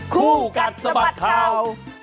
คู่กัดสะบัดข่าว